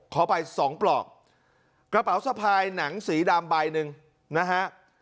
ขออภัยสองปลอกกระเป๋าสะพายหนังสีดำใบหนึ่งนะฮะ